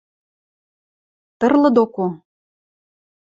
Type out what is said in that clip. – Тырлы доко...